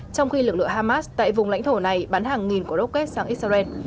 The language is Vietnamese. trong khi lực lượng hamas tại vùng lãnh thổ này bắn hàng nghìn quả rocket sang israel